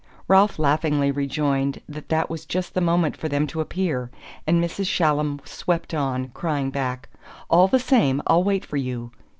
Ralph laughingly rejoined that that was just the moment for them to appear; and Mrs. Shallum swept on, crying back: "All the same, I'll wait for you!"